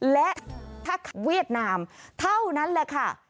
และถ้าเวียดนามเท่านั้นแหละค่ะ